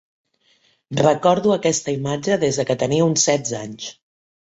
Recordo aquesta imatge des que tenia uns setze anys.